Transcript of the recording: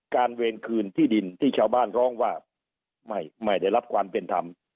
เวรคืนที่ดินที่ชาวบ้านร้องว่าไม่ได้รับความเป็นธรรม